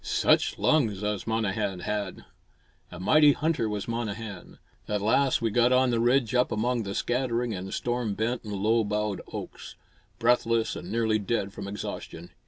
Such lungs as Monnehan had! A mighty hunter was Monnehan. At last we got on the ridge up among the scattering and storm bent and low boughed oaks; breathless and nearly dead from exhaustion.